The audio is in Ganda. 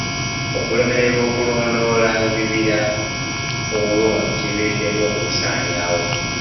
Okulemererwa okulondoola ebibira obulungi kiviiriddeko okubisaanyaawo.